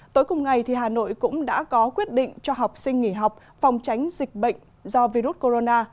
tối cùng ngày hà nội cũng đã có quyết định cho học sinh nghỉ học phòng tránh dịch bệnh do virus corona